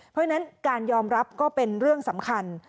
เพราะฉะนั้นการยอมรับก็เป็นเรื่องสำคัญ